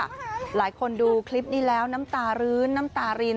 แบบนี้ค่ะหลายคนดูคลิปนี้แล้วน้ำตาลื้นน้ำตาลิน